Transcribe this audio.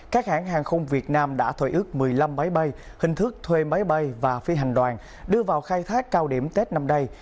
các hãng hàng không việt nam đã thuê ước một mươi năm máy bay hình thức thuê máy bay và phi hành đoàn đưa vào khai thác cao điểm tết năm nay